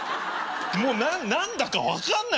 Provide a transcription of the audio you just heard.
もう何だか分かんない。